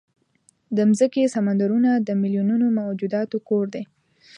د مځکې سمندرونه د میلیونونو موجوداتو کور دی.